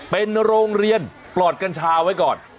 เป็นโรงเรียนปลอดกัญชาไว้ก่อน